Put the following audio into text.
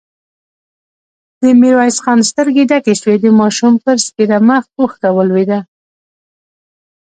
د ميرويس خان سترګې ډکې شوې، د ماشوم پر سپېره مخ اوښکه ولوېده.